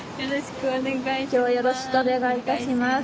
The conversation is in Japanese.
よろしくお願いします。